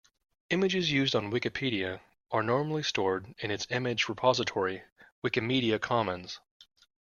Images used on Wikipedia are normally stored in its image repository, Wikimedia Commons